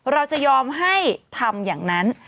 เราจะยอมให้ทำอย่างนั้น